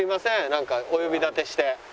なんかお呼び立てして。